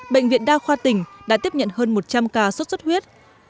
bệnh viện đa khoa tỉnh đã tiếp nhận hơn một trăm linh ca sốt xuất huyết